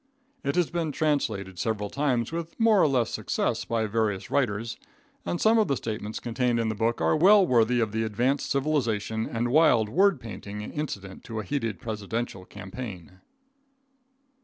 It has been translated several times with more or less success by various writers, and some of the statements contained in the book are well worthy of the advanced civilization, and wild word painting incident to a heated presidential campaign.